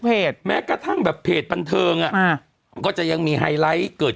แม้กระทั่งแบบเพจบันเทิงอ่ะอ่ามันก็จะยังมีไฮไลท์เกิด